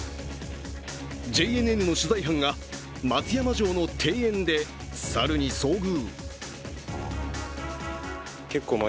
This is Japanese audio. ＪＮＮの取材班が松山城の庭園で猿に遭遇。